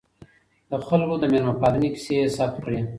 د خلکو د میلمه پالنې کیسې یې ثبت کړې.